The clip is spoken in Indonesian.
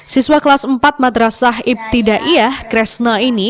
siswa kelas empat madrasah ibtidaiyah kresna ini